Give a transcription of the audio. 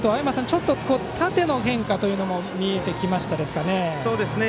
ちょっと縦の変化も見えてきましたかね。